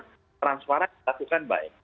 jadi yang jujur transparan lakukan baik